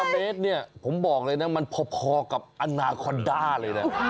๕เมตรเนี่ยผมบอกเลยนะมันพอกับอนาคอนด้าเลยนะ